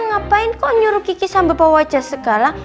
ngapain kok nyuruh gigi sambil bawa wajah segala